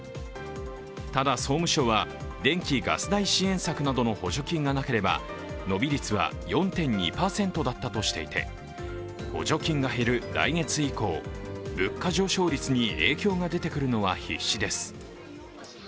ただ、総務省は電気・ガス代支援策などの補助金がなければ伸び率は４．２％だったとしていて、補助金が減る来月以降物価上昇率に影響が出てくるのは必至です。